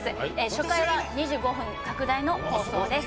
初回は２５分拡大の放送です